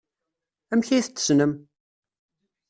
Amek ay t-tessnem?